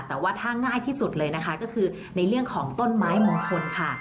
แต่ว่าถ้าง่ายที่สุดเลยนะคะก็คือในเรื่องของต้นไม้มงคลค่ะ